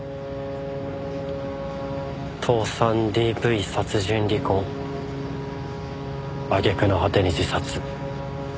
倒産ＤＶ殺人離婚揚げ句の果てに自殺。